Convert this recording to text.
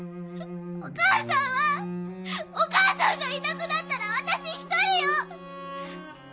お母さんはお母さんがいなくなったら私一人よ！